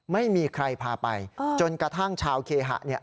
ไม่มีใครพาไปจนกระทั่งชาวเคหะเนี่ย